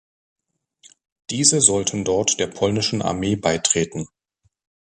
Diese sollten dort der polnischen Armee beitreten.